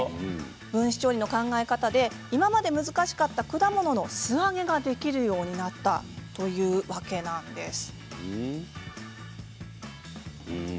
分子調理の考え方で今まで難しかった果物の素揚げができるようになったというわけなんです。